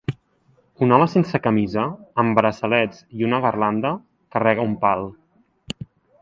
Un home sense camisa, amb braçalets i una garlanda, carrega un pal.